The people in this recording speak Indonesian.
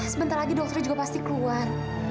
sebentar lagi dokter juga pasti keluar